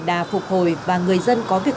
đà phục hồi và người dân có việc